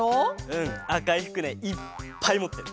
うんあかいふくねいっぱいもってる。